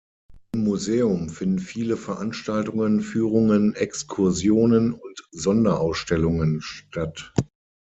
Im Museum finden viele Veranstaltungen, Führungen, Exkursionen und Sonderausstellungen statt.